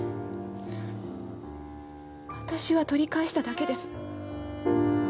私は取り返しただけです。